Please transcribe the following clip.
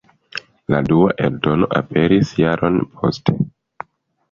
La dua eldono aperis jaron poste.